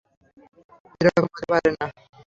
এরকম হতে পারে না।